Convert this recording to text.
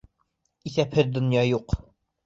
Иҫәпһеҙ донъя юҡ.